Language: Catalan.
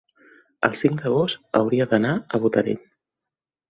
el cinc d'agost hauria d'anar a Botarell.